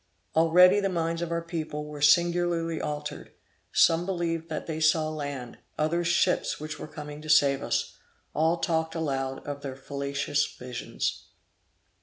Already the minds of our people were singularly altered; some believed that they saw land, others ships which were coming to save us; all talked aloud of their fallacious visions.